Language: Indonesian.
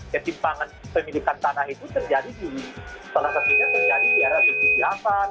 kecimpangan pemilikan tanah itu terjadi di salah satunya terjadi di arah penyelidikan